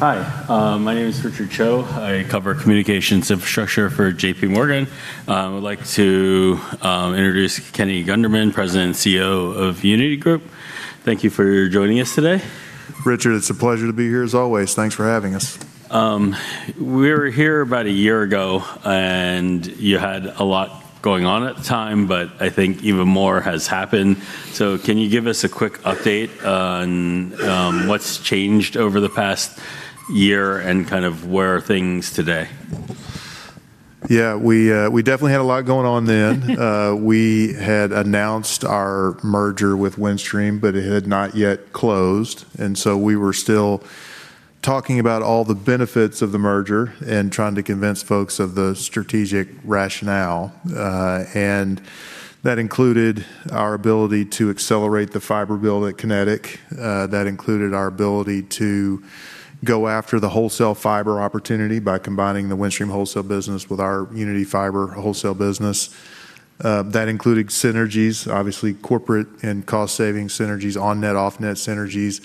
Hi, my name is Richard Cho. I cover communications infrastructure for J.P. Morgan. I would like to introduce Kenny Gunderman, President and CEO of Uniti Group. Thank you for joining us today. Richard, it's a pleasure to be here as always. Thanks for having us. We were here about a year ago, and you had a lot going on at the time, but I think even more has happened. Can you give us a quick update on what's changed over the past year and kind of where are things today? We definitely had a lot going on then. We had announced our merger with Windstream, but it had not yet closed. We were still talking about all the benefits of the merger and trying to convince folks of the strategic rationale. That included our ability to accelerate the fiber build at Kinetic. That included our ability to go after the wholesale fiber opportunity by combining the Windstream wholesale business with our Uniti Fiber wholesale business. That included synergies, obviously corporate and cost-saving synergies, on-net, off-net synergies,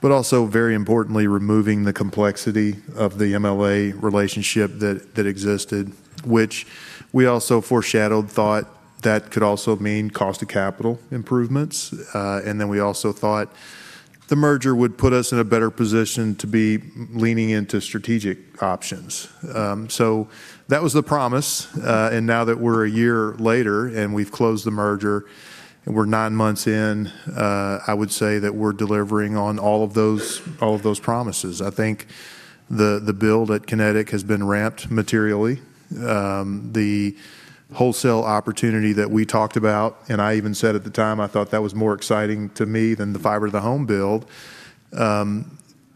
but also very importantly, removing the complexity of the MLA relationship that existed, which we also foreshadowed thought that could also mean cost of capital improvements. We also thought the merger would put us in a better position to be leaning into strategic options. That was the promise. Now that we're a year later and we've closed the merger and we're nine months in, I would say that we're delivering on all of those promises. I think the build at Kinetic has been ramped materially. The wholesale opportunity that we talked about, and I even said at the time, I thought that was more exciting to me than the fiber to the home build,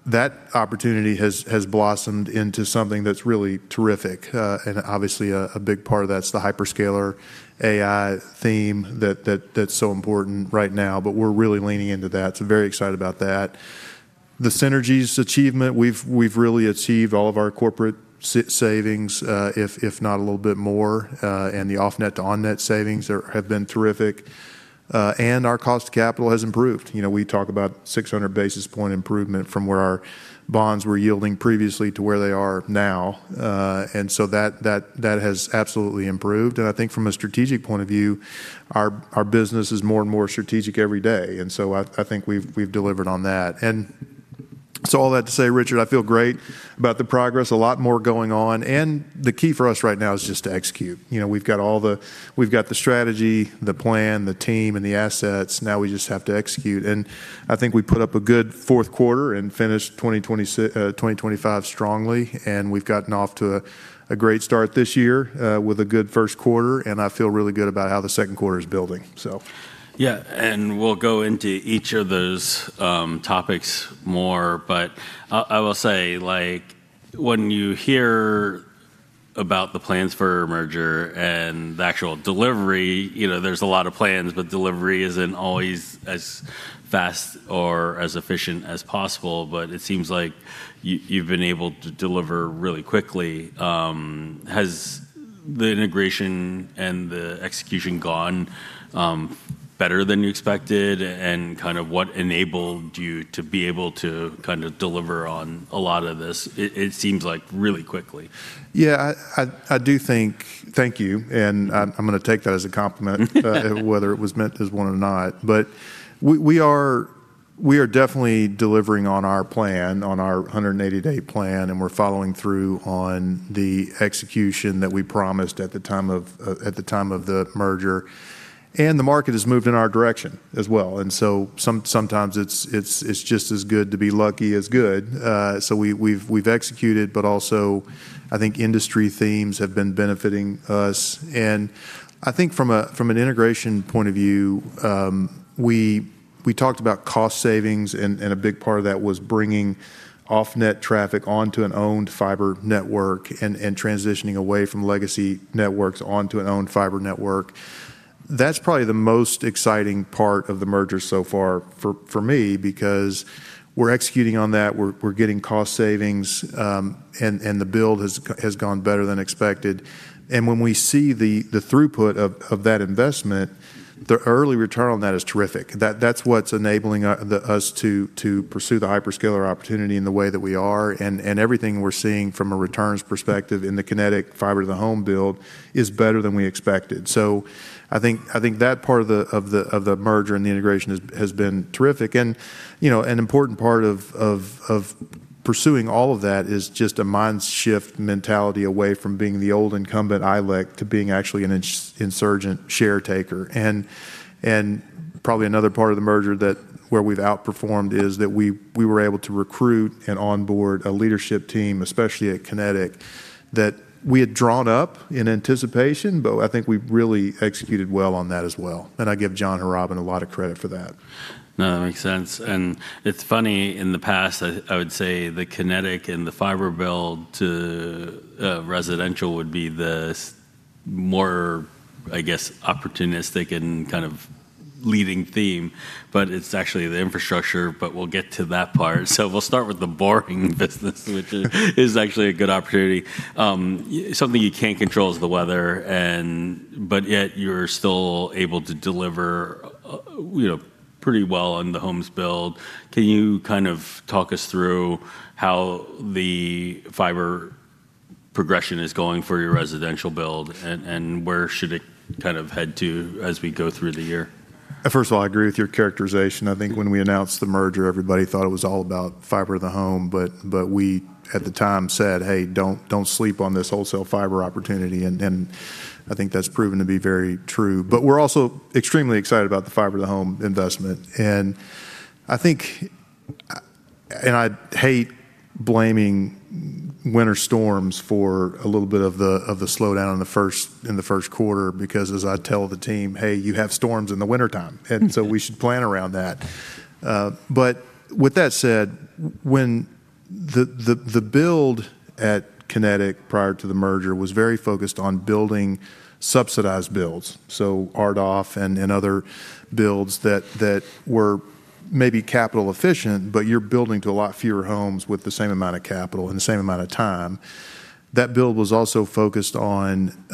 that opportunity has blossomed into something that's really terrific. Obviously a big part of that's the hyperscaler AI theme that's so important right now, but we're really leaning into that, very excited about that. The synergies achievement, we've really achieved all of our corporate savings, if not a little bit more, and the off-net to on-net savings have been terrific. Our cost of capital has improved. You know, we talk about 600 basis point improvement from where our bonds were yielding previously to where they are now. That, that has absolutely improved. I think from a strategic point of view, our business is more and more strategic every day, I think we've delivered on that. All that to say, Richard, I feel great about the progress, a lot more going on. The key for us right now is just to execute. You know, we've got the strategy, the plan, the team, and the assets. Now we just have to execute. I think we put up a good fourth quarter and finished 2025 strongly, we've gotten off to a great start this year, with a good Q1, I feel really good about how the Q2 is building. Yeah. We'll go into each of those, topics more. I will say, like, when you hear about the plans for a merger and the actual delivery, you know, there's a lot of plans, but delivery isn't always as fast or as efficient as possible. It seems like you've been able to deliver really quickly. Has the integration and the execution gone, better than you expected? Kind of what enabled you to be able to kind of deliver on a lot of this, it seems like, really quickly? I do think thank you, and I'm gonna take that as a compliment, whether it was meant as one or not. We are definitely delivering on our plan, on our 180-day plan, and we're following through on the execution that we promised at the time of the merger. The market has moved in our direction as well. Sometimes it's just as good to be lucky as good. We've executed, but also I think industry themes have been benefiting us. I think from an integration point of view, we talked about cost savings and a big part of that was bringing off-net traffic onto an owned fiber network and transitioning away from legacy networks onto an owned fiber network. That's probably the most exciting part of the merger so far for me because we're executing on that. We're getting cost savings, and the build has gone better than expected. When we see the throughput of that investment, the early return on that is terrific. That's what's enabling us to pursue the hyperscaler opportunity in the way that we are. Everything we're seeing from a returns perspective in the Kinetic Fiber to the Home build is better than we expected. I think that part of the merger and the integration has been terrific. You know, an important part of pursuing all of that is just a mind shift mentality away from being the old incumbent ILEC to being actually an insurgent share taker. Probably another part of the merger that where we've outperformed is that we were able to recruit and onboard a leadership team, especially at Kinetic, that we had drawn up in anticipation, but I think we've really executed well on that as well. I give John Harrobin a lot of credit for that. No, that makes sense. It's funny, in the past, I would say the Kinetic and the fiber build to residential would be the more, I guess, opportunistic and kind of leading theme, but it's actually the infrastructure, but we'll get to that part. We'll start with the boring business which is actually a good opportunity. Something you can't control is the weather and, but yet you're still able to deliver, you know, pretty well on the homes build. Can you kind of talk us through how the fiber progression is going for your residential build and where should it kind of head to as we go through the year? First of all, I agree with your characterization. I think when we announced the merger, everybody thought it was all about fiber to the home, but we at the time said, "Hey, don't sleep on this wholesale fiber opportunity." I think that's proven to be very true. We're also extremely excited about the fiber to the home investment. I think, and I hate blaming winter storms for a little bit of the slowdown in the Q1 because as I tell the team, "Hey, you have storms in the wintertime. With that said, when the build at Kinetic prior to the merger was very focused on building subsidized builds, so RDOF and other builds that were maybe capital efficient, but you're building to a lot fewer homes with the same amount of capital in the same amount of time. That build was also focused on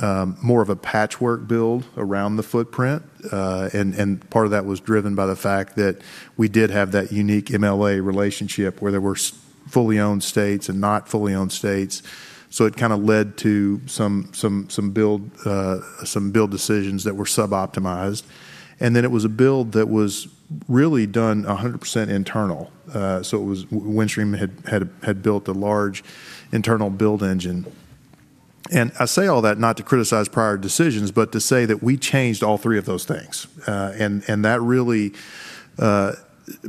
more of a patchwork build around the footprint. Part of that was driven by the fact that we did have that unique MLA relationship where there were fully owned states and not fully owned states, so it kinda led to some build decisions that were sub-optimized. Then it was a build that was really done 100% internal. So Windstream had built a large internal build engine. I say all that not to criticize prior decisions, but to say that we changed all three of those things. That really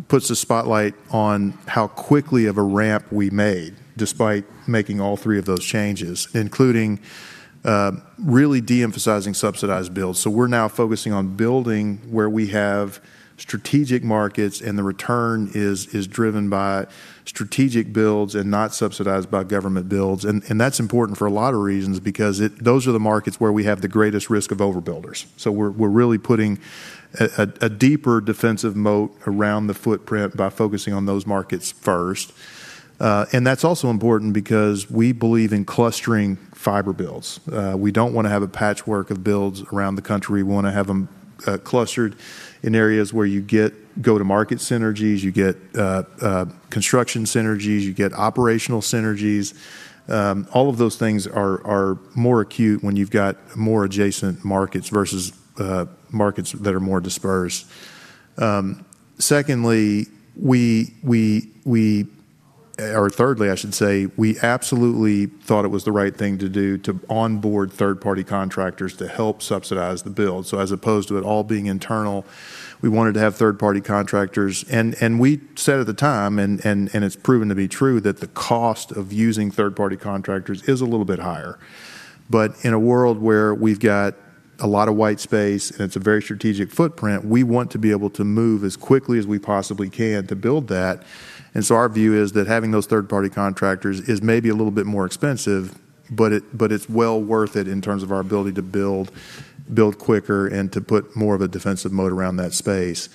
puts a spotlight on how quickly of a ramp we made despite making all three of those changes, including really de-emphasizing subsidized builds. We're now focusing on building where we have strategic markets, and the return is driven by strategic builds and not subsidized by government builds. That's important for a lot of reasons because those are the markets where we have the greatest risk of overbuilders. We're really putting a deeper defensive moat around the footprint by focusing on those markets first. That's also important because we believe in clustering fiber builds. We don't wanna have a patchwork of builds around the country. We wanna have them clustered in areas where you get go-to-market synergies, you get construction synergies, you get operational synergies. All of those things are more acute when you've got more adjacent markets versus markets that are more dispersed. Secondly, we or thirdly, I should say, we absolutely thought it was the right thing to do to onboard third-party contractors to help subsidize the build. As opposed to it all being internal, we wanted to have third-party contractors. We said at the time, and it's proven to be true, that the cost of using third-party contractors is a little bit higher. In a world where we've got a lot of white space and it's a very strategic footprint, we want to be able to move as quickly as we possibly can to build that. Our view is that having those third-party contractors is maybe a little bit more expensive, but it's well worth it in terms of our ability to build quicker, and to put more of a defensive moat around that space.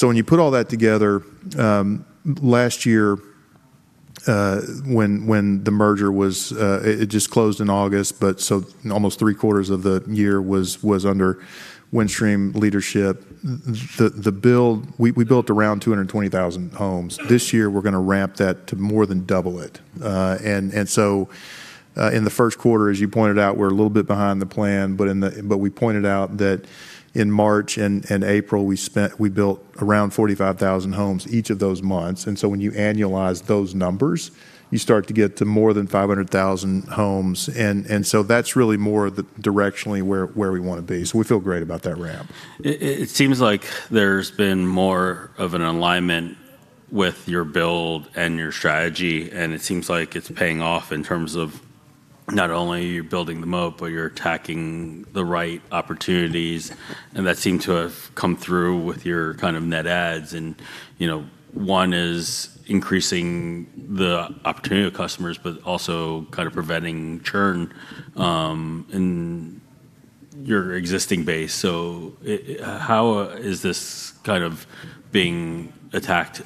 When you put all that together, last year, when the merger was, it just closed in August, but almost three-quarters of the year was under Windstream leadership. The build, we built around 220,000 homes. This year we're gonna ramp that to more than double it. In the Q1, as you pointed out, we're a little bit behind the plan, but we pointed out that in March and April, we spent, we built around 45,000 homes each of those months. When you annualize those numbers, you start to get to more than 500,000 homes. That's really more the directionally where we wanna be. We feel great about that ramp. It seems like there's been more of an alignment with your build and your strategy. It seems like it's paying off in terms of not only are you building the moat, but you're attacking the right opportunities. That seemed to have come through with your kind of net adds. You know, one is increasing the opportunity of customers, but also kind of preventing churn in your existing base. How is this kind of being attacked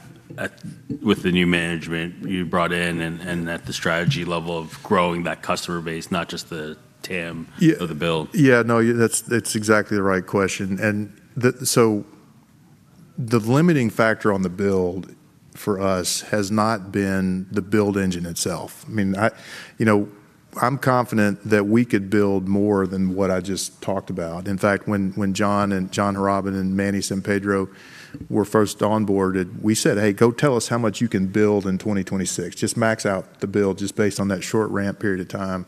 with the new management you brought in and at the strategy level of growing that customer base, not just the TAM. Yeah. The build? That's exactly the right question. The limiting factor on the build for us has not been the build engine itself. I mean, you know, I'm confident that we could build more than what I just talked about. In fact, when John Harrobin and Manny Sampedro were first onboarded, we said, "Hey, go tell us how much you can build in 2026. Just max out the build just based on that short ramp period of time."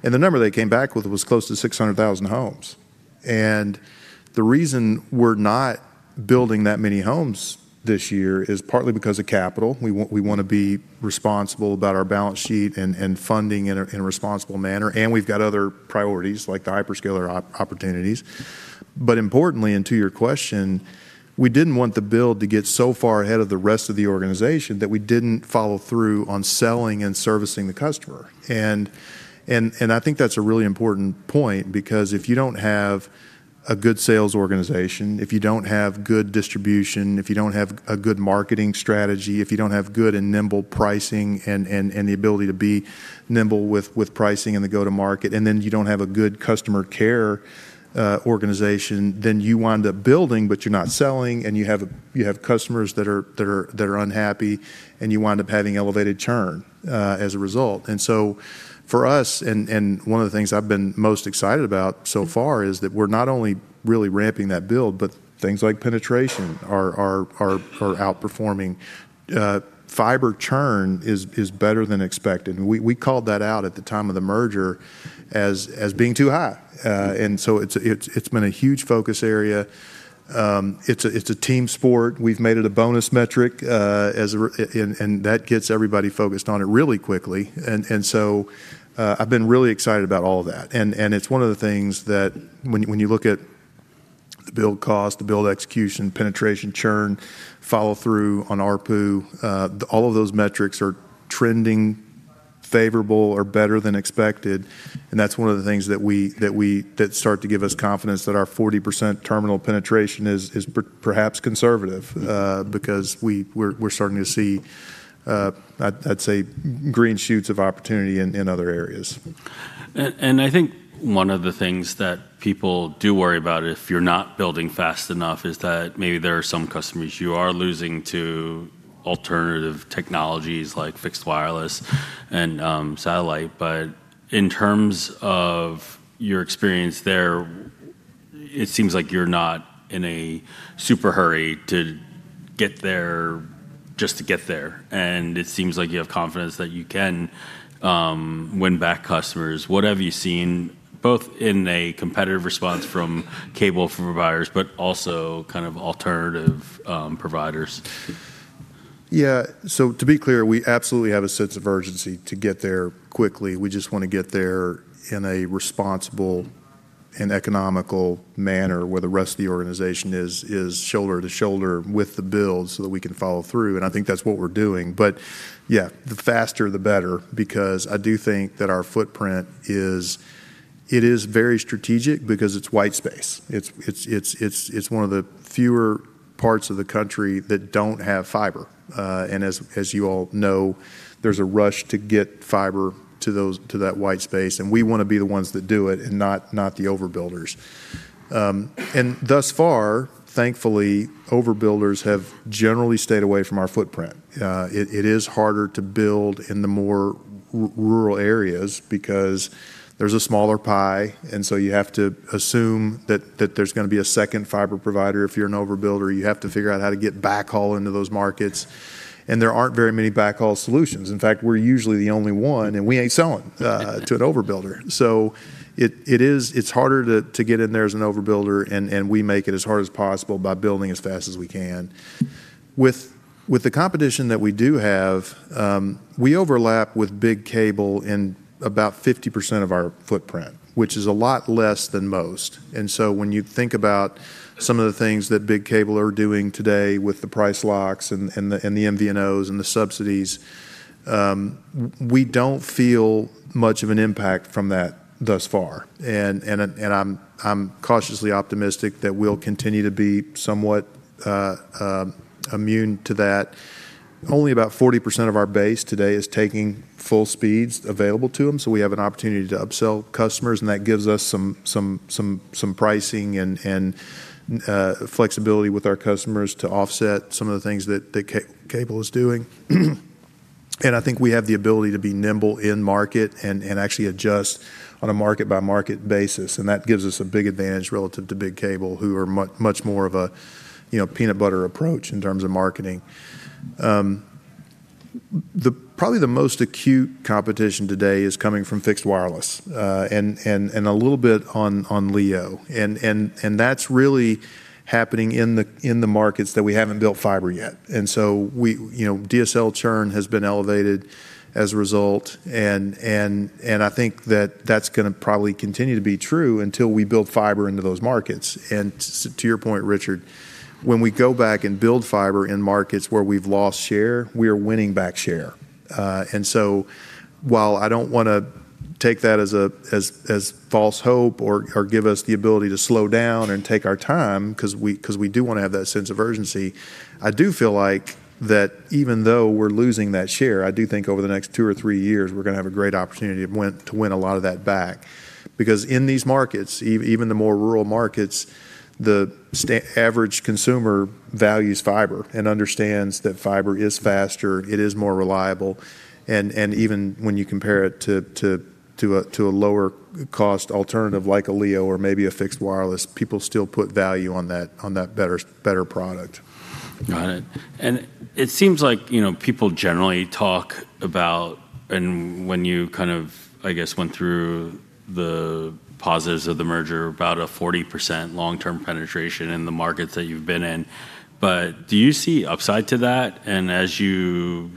The number they came back with was close to 600,000 homes. The reason we're not building that many homes this year is partly because of capital. We wanna be responsible about our balance sheet and funding in a responsible manner, and we've got other priorities like the hyperscaler opportunities. Importantly, and to your question, we didn't want the build to get so far ahead of the rest of the organization that we didn't follow through on selling and servicing the customer. I think that's a really important point because if you don't have a good sales organization, if you don't have good distribution, if you don't have a good marketing strategy, if you don't have good and nimble pricing and the ability to be nimble with pricing in the go-to-market, then you don't have a good customer care organization, then you wind up building, but you're not selling, and you have customers that are unhappy, and you wind up having elevated churn as a result. For us, and one of the things I've been most excited about so far is that we're not only really ramping that build, but things like penetration are outperforming. Fiber churn is better than expected. We called that out at the time of the merger as being too high. It's been a huge focus area. It's a team sport. We've made it a bonus metric, as a r- and that gets everybody focused on it really quickly. I've been really excited about all of that. It's one of the things that when you look at the build cost, the build execution, penetration, churn, follow through on ARPU, all of those metrics are trending favorable or better than expected, and that's one of the things that start to give us confidence that our 40% terminal penetration is perhaps conservative, because we're starting to see, I'd say green shoots of opportunity in other areas. I think one of the things that people do worry about if you're not building fast enough is that maybe there are some customers you are losing to alternative technologies like fixed wireless and satellite. In terms of your experience there, it seems like you're not in a super hurry to get there just to get there, and it seems like you have confidence that you can win back customers. What have you seen both in a competitive response from cable providers, but also kind of alternative providers? To be clear, we absolutely have a sense of urgency to get there quickly. We just want to get there in a responsible and economical manner where the rest of the organization is shoulder to shoulder with the build so that we can follow through, and I think that's what we're doing. The faster the better because I do think that our footprint is very strategic because it's white space. It's one of the fewer parts of the country that don't have fiber. As you all know, there's a rush to get fiber to that white space, and we want to be the ones that do it and not the overbuilders. Thus far, thankfully, overbuilders have generally stayed away from our footprint. It is harder to build in the more rural areas because there's a smaller pie, and so you have to assume that there's gonna be a second fiber provider if you're an overbuilder. You have to figure out how to get backhaul into those markets, and there aren't very many backhaul solutions. In fact, we're usually the only one, and we ain't selling to an overbuilder. It's harder to get in there as an overbuilder and we make it as hard as possible by building as fast as we can. With the competition that we do have, we overlap with big cable in about 50% of our footprint, which is a lot less than most. When you think about some of the things that big cable are doing today with the price locks and the MVNOs and the subsidies, we don't feel much of an impact from that thus far. I'm cautiously optimistic that we'll continue to be somewhat immune to that. Only about 40% of our base today is taking full speeds available to them, so we have an opportunity to upsell customers, and that gives us some pricing and flexibility with our customers to offset some of the things that cable is doing. I think we have the ability to be nimble in market and actually adjust on a market by market basis, and that gives us a big advantage relative to big cable who are much more of a, you know, peanut butter approach in terms of marketing. The probably the most acute competition today is coming from fixed wireless, a little bit on LEO. That's really happening in the markets that we haven't built fiber yet. We, you know, DSL churn has been elevated as a result, I think that that's gonna probably continue to be true until we build fiber into those markets. To your point, Richard, when we go back and build fiber in markets where we've lost share, we are winning back share. While I don't wanna take that as false hope or give us the ability to slow down and take our time 'cause we do wanna have that sense of urgency, I do feel like that even though we're losing that share, I do think over the next 2 or 3 years we're gonna have a great opportunity to win a lot of that back. In these markets, even the more rural markets, the average consumer values fiber and understands that fiber is faster, it is more reliable. Even when you compare it to a lower cost alternative like a LEO or maybe a fixed wireless, people still put value on that better product. Got it. It seems like, you know, people generally talk about, and when you kind of, I guess, went through the pauses of the merger about a 40% long-term penetration in the markets that you've been in, Do you see upside to that? As you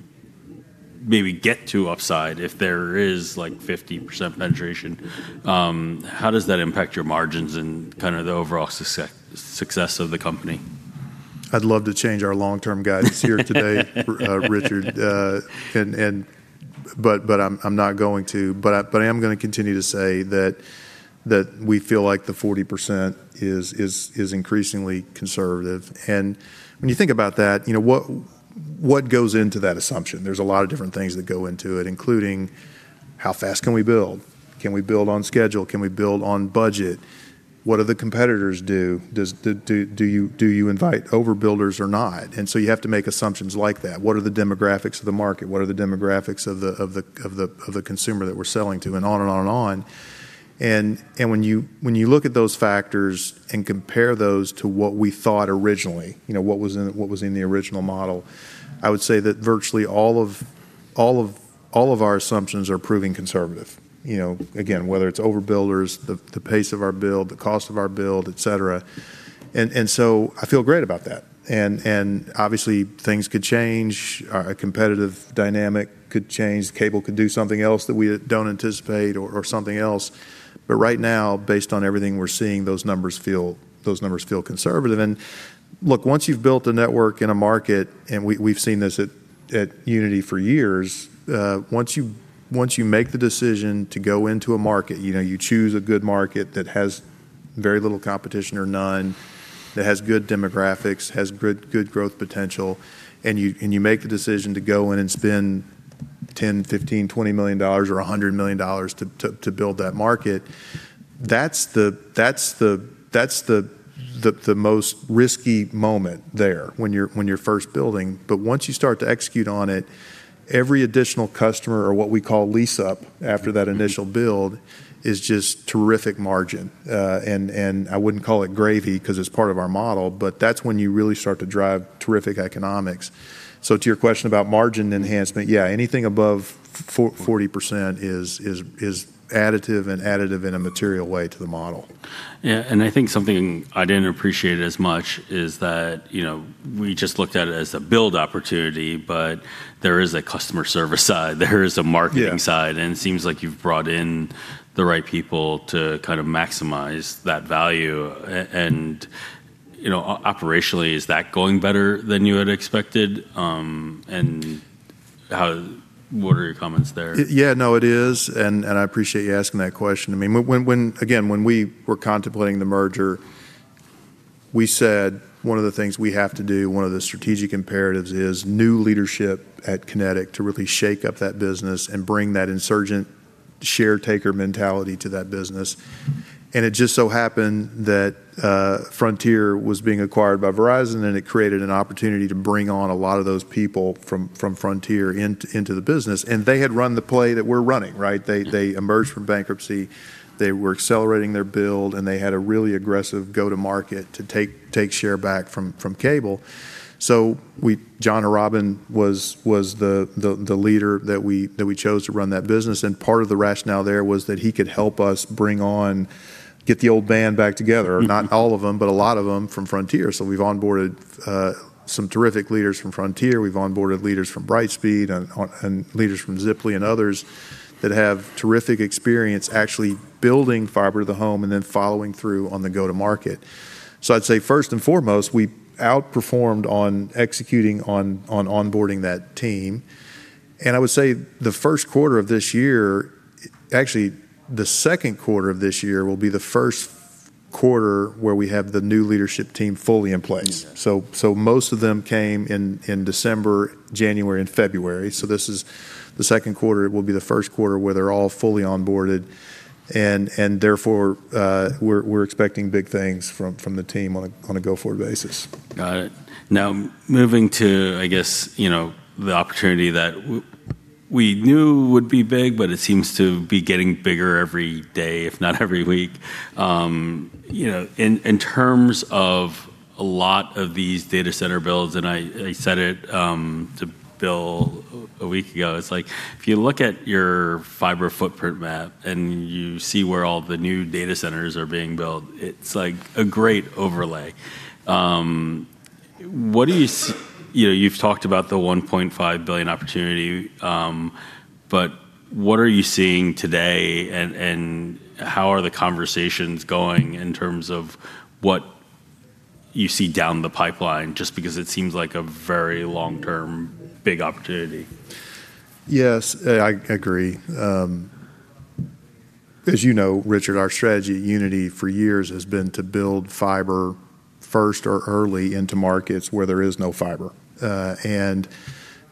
maybe get to upside, if there is like 50% penetration, how does that impact your margins and kind of the overall success of the company? I'd love to change our long-term guidance here today, Richard. I'm not going to. I am gonna continue to say that we feel like the 40% is increasingly conservative. When you think about that, you know, what goes into that assumption? There's a lot of different things that go into it, including how fast can we build? Can we build on schedule? Can we build on budget? What do the competitors do? Do you invite overbuilders or not? You have to make assumptions like that. What are the demographics of the market? What are the demographics of the consumer that we're selling to? On and on and on. When you look at those factors and compare those to what we thought originally, you know, what was in, what was in the original model, I would say that virtually all of our assumptions are proving conservative. You know, again, whether it's overbuilders, the pace of our build, the cost of our build, et cetera. I feel great about that. Obviously things could change. Our competitive dynamic could change. Cable could do something else that we don't anticipate or something else. Right now, based on everything we're seeing, those numbers feel conservative. Look, once you've built a network in a market, we've seen this at Uniti for years, once you make the decision to go into a market, you know, you choose a good market that has very little competition or none, that has good demographics, has good growth potential, and you make the decision to go in and spend $10 million, $15 million, $20 million or $100 million to build that market, that's the most risky moment there when you're first building. Once you start to execute on it, every additional customer, or what we call lease-up after that initial build, is just terrific margin. I wouldn't call it gravy because it's part of our model, but that's when you really start to drive terrific economics. To your question about margin enhancement, yeah, anything above 40% is additive and additive in a material way to the model. Yeah, I think something I didn't appreciate as much is that, you know, we just looked at it as a build opportunity, but there is a customer service side, there is a marketing side. Yeah. It seems like you've brought in the right people to kind of maximize that value. You know, operationally, is that going better than you had expected? What are your comments there? Yeah. No, it is, and I appreciate you asking that question. I mean, when, again, when we were contemplating the merger, we said one of the things we have to do, one of the strategic imperatives is new leadership at Kinetic to really shake up that business and bring that insurgent share taker mentality to that business. It just so happened that Frontier was being acquired by Verizon, and it created an opportunity to bring on a lot of those people from Frontier into the business, and they had run the play that we're running, right? They emerged from bankruptcy, they were accelerating their build, and they had a really aggressive go-to-market to take share back from Cable. John Robbin was the leader that we chose to run that business. Part of the rationale there was that he could help us bring on, get the old band back together. Not all of them, but a lot of them from Frontier. We've onboarded some terrific leaders from Frontier. We've onboarded leaders from Brightspeed and leaders from Ziply and others that have terrific experience actually building fiber to the home and then following through on the go-to-market. I'd say first and foremost, we outperformed on executing on onboarding that team. I would say the Q1 of this year, actually the Q1 of this year will be the Q1 where we have the new leadership team fully in place. Okay. Most of them came in December, January, and February. This is the Q2. It will be the Q1 where they're all fully onboarded and therefore, we're expecting big things from the team on a go-forward basis. Got it. Moving to, I guess, you know, the opportunity that we knew would be big, but it seems to be getting bigger every day, if not every week. You know, in terms of a lot of these data center builds, and I said it to Bill a week ago, it's like if you look at your fiber footprint map and you see where all the new data centers are being built, it's like a great overlay. What do you know, you've talked about the $1.5 billion opportunity, what are you seeing today and how are the conversations going in terms of what you see down the pipeline? Just because it seems like a very long-term big opportunity. Yes, I agree. As you know, Richard, our strategy at Uniti for years has been to build fiber first or early into markets where there is no fiber.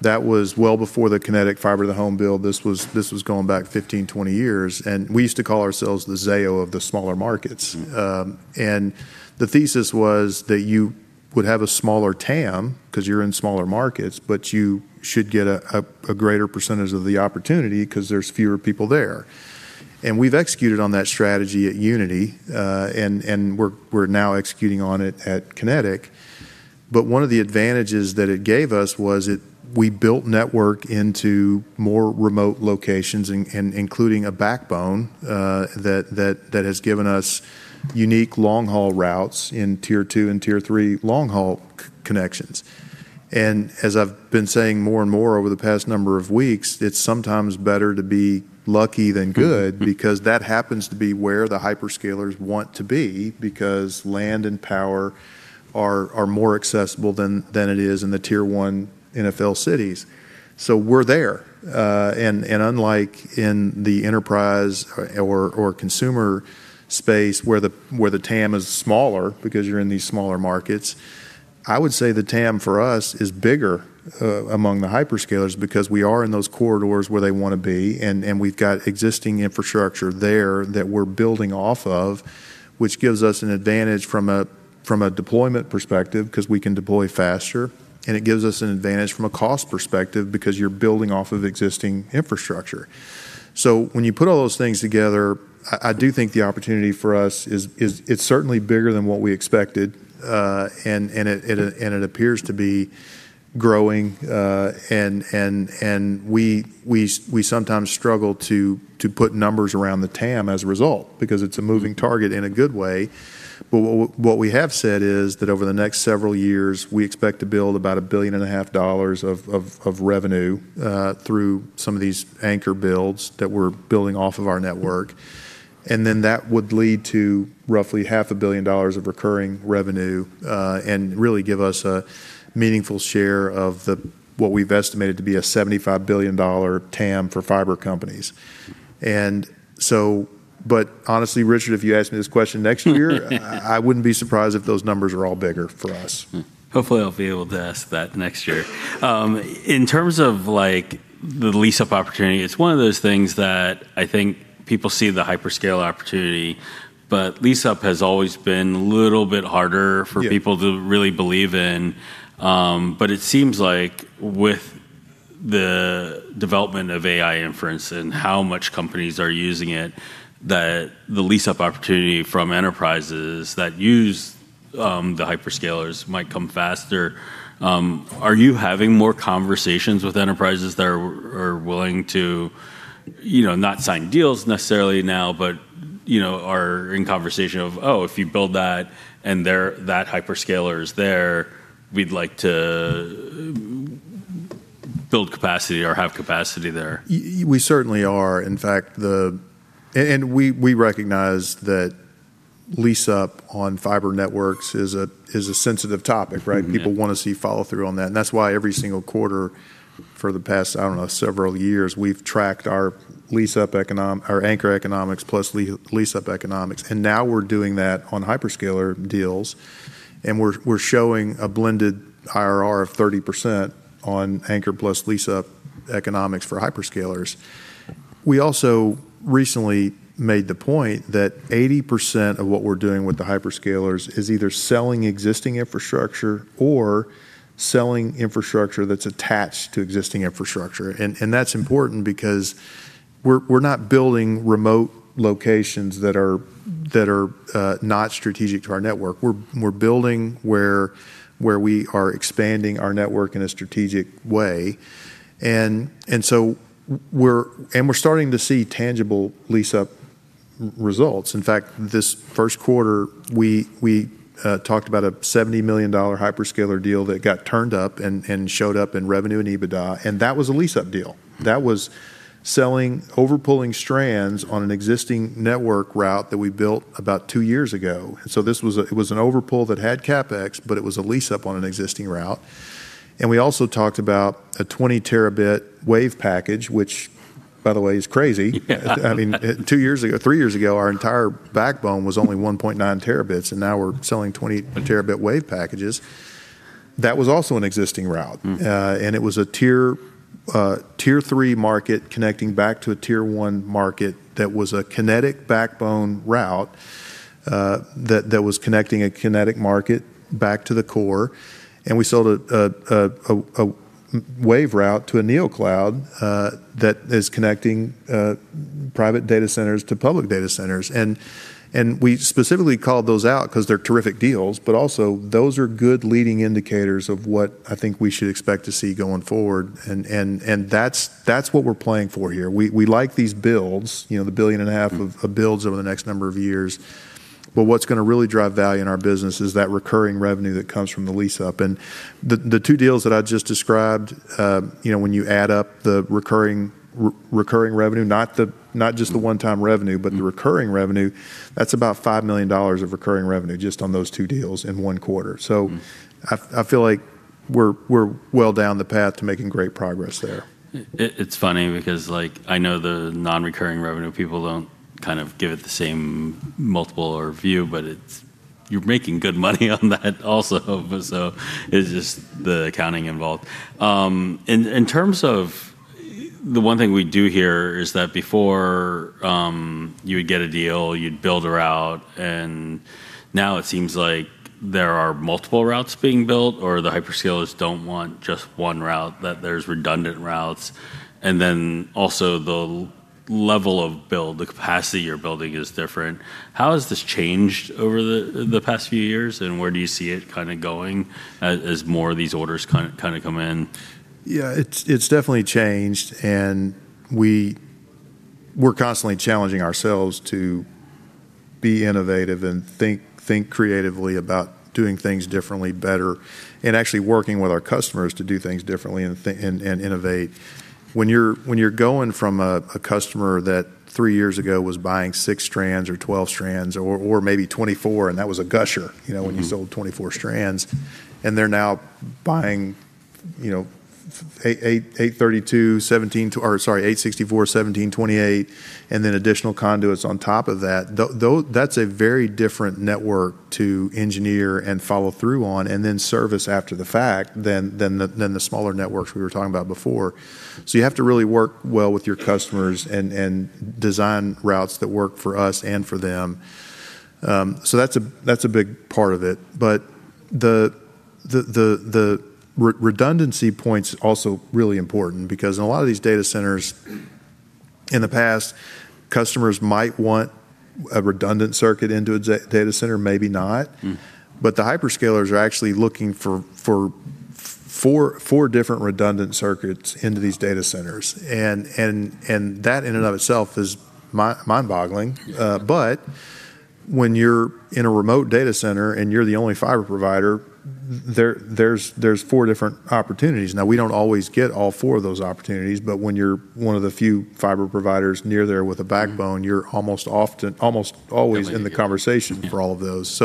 That was well before the Kinetic Fiber to the Home build. This was going back 15, 20 years, we used to call ourselves the Zayo of the smaller markets. The thesis was that you would have a smaller TAM because you're in smaller markets, but you should get a greater percentage of the opportunity because there's fewer people there. We've executed on that strategy at Uniti, and we're now executing on it at Kinetic. One of the advantages that it gave us was we built network into more remote locations including a backbone that has given us unique long haul routes in tier 2 and tier 3 long haul connections. As I've been saying more and more over the past number of weeks, it's sometimes better to be lucky than good, because that happens to be where the hyperscalers want to be because land and power are more accessible than it is in the tier 1 NFL cities. We're there. Unlike in the enterprise or consumer space where the TAM is smaller because you're in these smaller markets, I would say the TAM for us is bigger among the hyperscalers because we are in those corridors where they wanna be, and we've got existing infrastructure there that we're building off of, which gives us an advantage from a deployment perspective because we can deploy faster, and it gives us an advantage from a cost perspective because you're building off of existing infrastructure. So when you put all those things together, I do think the opportunity for us is it's certainly bigger than what we expected. It appears to be growing. We sometimes struggle to put numbers around the TAM as a result, because it's a moving target in a good way. What we have said is that over the next several years, we expect to build about a billion and a half dollars of revenue through some of these anchor builds that we're building off of our network. That would lead to roughly half a billion dollars of recurring revenue and really give us a meaningful share of the, what we've estimated to be a $75 billion TAM for fiber companies. Honestly, Richard, if you ask me this question next year, I wouldn't be surprised if those numbers are all bigger for us. Hopefully I'll be able to ask that next year. In terms of, like, the lease-up opportunity, it's one of those things that I think people see the hyperscale opportunity, but lease-up has always been a little bit harder. Yeah. To really believe in. It seems like with the development of AI inference and how much companies are using it, that the lease-up opportunity from enterprises that use the hyperscalers might come faster. Are you having more conversations with enterprises that are willing to, you know, not sign deals necessarily now, but, you know, are in conversation of, "Oh, if you build that, and that hyperscaler is there, we'd like to build capacity or have capacity there"? We certainly are. In fact, we recognize that lease-up on fiber networks is a sensitive topic, right? People wanna see follow-through on that. That's why every single quarter for the past, I don't know, several years, we've tracked our anchor economics plus lease-up economics. Now we're doing that on hyperscaler deals, and we're showing a blended IRR of 30% on anchor plus lease-up economics for hyperscalers. We also recently made the point that 80% of what we're doing with the hyperscalers is either selling existing infrastructure or selling infrastructure that's attached to existing infrastructure. That's important because we're not building remote locations that are not strategic to our network. We're building where we are expanding our network in a strategic way. We're starting to see tangible lease-up results. In fact, this Q1, we talked about a $70 million hyperscaler deal that got turned up and showed up in revenue and EBITDA, and that was a lease-up deal. That was selling over-pulling strands on an existing network route that we built about 2 years ago. This was an over-pull that had CapEx, but it was a lease-up on an existing route. We also talked about a 20 TB wave package, which by the way is crazy. Yeah. I mean, two years ago, three years ago, our entire backbone was only 1.9 terabits, and now we're selling 20 TB wave packages. That was also an existing route. It was a tier 3 market connecting back to a tier 1 market that was a Kinetic backbone route that was connecting a Kinetic market back to the core, and we sold a wave route to a neocloud that is connecting private data centers to public data centers. We specifically called those out because they're terrific deals, but also those are good leading indicators of what I think we should expect to see going forward. That's what we're playing for here. We like these builds, you know, the billion and a half- of builds over the next number of years. What's gonna really drive value in our business is that recurring revenue that comes from the lease-up. The two deals that I just described, you know, when you add up the recurring revenue, not just the one-time revenue. The recurring revenue, that's about $5 million of recurring revenue just on those 2 deals in 1Q. I feel like we're well down the path to making great progress there. It's funny because, like, I know the non-recurring revenue people don't give it the same multiple or view, but it's, you're making good money on that also. It's just the accounting involved. In terms of the one thing we do hear is that before, you would get a deal, you'd build a route, and now it seems like there are multiple routes being built, or the hyperscalers don't want just one route, that there's redundant routes. Also the level of build, the capacity you're building is different. How has this changed over the past few years, and where do you see it going as more of these orders come in? Yeah, it's definitely changed, and we're constantly challenging ourselves to be innovative and think creatively about doing things differently, better, and actually working with our customers to do things differently and innovate. When you're going from a customer that 3 years ago was buying 6 strands or 12 strands or maybe 24, and that was a gusher, you know. When you sold 24 strands, and they're now buying, you know, 864, 1,728, and then additional conduits on top of that's a very different network to engineer and follow through on and then service after the fact than the, than the smaller networks we were talking about before. You have to really work well with your customers and design routes that work for us and for them. That's a big part of it. The redundancy point's also really important, because in a lot of these data centers, in the past, customers might want a redundant circuit into a data center, maybe not. The hyperscalers are actually looking for 4 different redundant circuits into these data centers. Wow. That in and of itself is mind-boggling. Yeah. When you're in a remote data center and you're the only fiber provider, there's 4 different opportunities. We don't always get all four of those opportunities, but when you're one of the few fiber providers near there with a backbone. You're almost often, almost always. Always. In the conversation for all of those.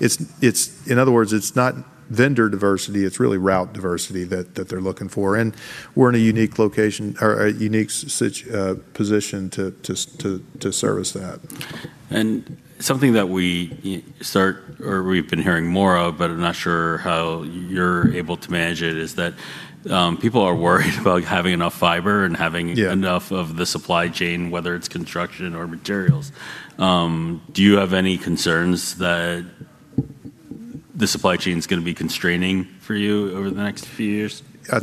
It's, in other words, it's not vendor diversity, it's really route diversity that they're looking for, and we're in a unique location or a unique position to service that. Something that we've been hearing more of, but I'm not sure how you're able to manage it, is that people are worried about having enough fiber and having. Yeah. Enough of the supply chain, whether it's construction or materials. Do you have any concerns that the supply chain's gonna be constraining for you over the next few years? I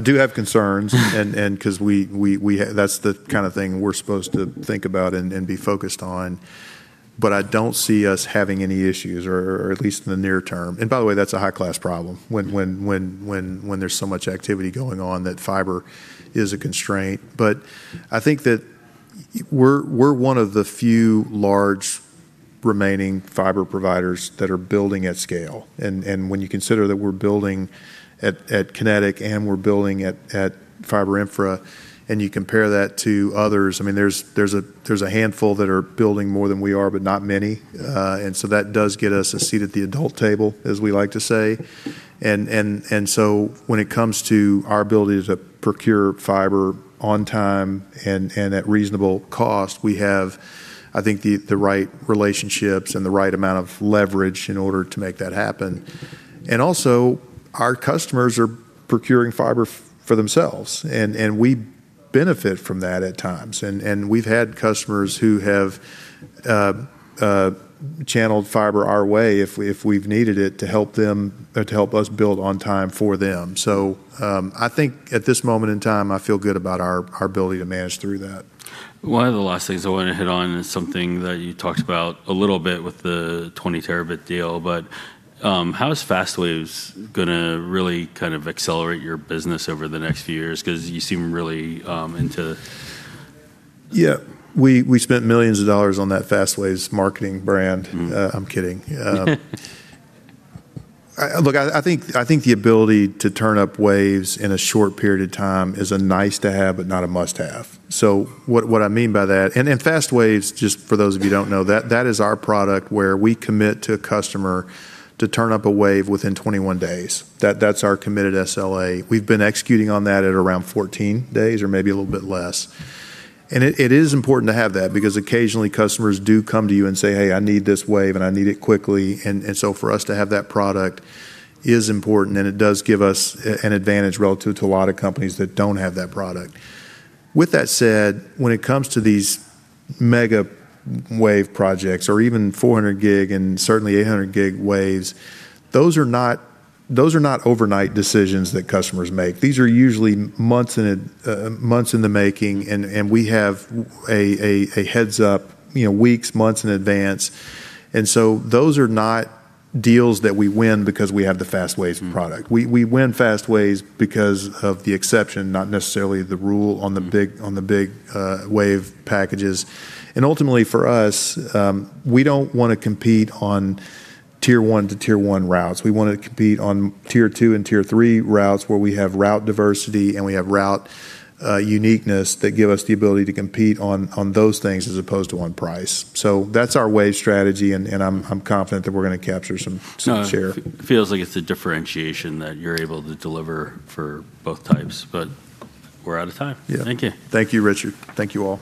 do have concerns. That's the kind of thing we're supposed to think about and be focused on. I don't see us having any issues, or at least in the near term. By the way, that's a high-class problem when there's so much activity going on that fiber is a constraint. I think that we're one of the few large remaining fiber providers that are building at scale. When you consider that we're building at Kinetic and we're building at Fiber Infra, and you compare that to others, I mean, there's a handful that are building more than we are, but not many. That does get us a seat at the adult table, as we like to say. When it comes to our ability to procure fiber on time and at reasonable cost, we have, I think, the right relationships and the right amount of leverage in order to make that happen. Our customers are procuring fiber for themselves, and we benefit from that at times. We've had customers who have channeled fiber our way if we've needed it to help them, or to help us build on time for them. I think at this moment in time, I feel good about our ability to manage through that. One of the last things I wanna hit on is something that you talked about a little bit with the 20 TB deal, but how is FastWaves gonna really kind of accelerate your business over the next few years? 'Cause you seem really into. Yeah. We spent millions of dollars on that FastWaves marketing brand. I'm kidding. I look, I think the ability to turn up waves in a short period of time is a nice to have, but not a must-have. What I mean by that FastWaves, just for those of you don't know, that is our product where we commit to a customer to turn up a wave within 21 days. That's our committed SLA. We've been executing on that at around 14 days or maybe a little bit less. It is important to have that, because occasionally customers do come to you and say, "Hey, I need this wave and I need it quickly." For us to have that product is important, and it does give us an advantage relative to a lot of companies that don't have that product. With that said, when it comes to these mega wave projects or even 400 gig and certainly 800 gig waves, those are not overnight decisions that customers make. These are usually months in the making, and we have a heads-up, you know, weeks, months in advance. Those are not deals that we win because we have the FastWaves product. We win FastWaves because of the exception, not necessarily the rule on the big wave packages. Ultimately, for us, we don't wanna compete on tier 1 to tier 1 routes. We wanna compete on tier 2 and tier 3 routes where we have route diversity and we have route uniqueness that give us the ability to compete on those things as opposed to on price. That's our wave strategy and I'm confident that we're gonna capture some share. No, it feels like it's a differentiation that you're able to deliver for both types. We're out of time. Yeah. Thank you. Thank you, Richard. Thank you all.